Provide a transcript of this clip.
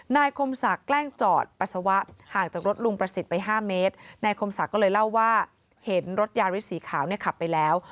คมศักดิ์แกล้งจอดปัสสาวะห่างจากรถลุงประสิทธิ์ไปห้าเมตรนายคมศักดิ์ก็เลยเล่าว่าเห็นรถยาริสสีขาวเนี่ยขับไปแล้ว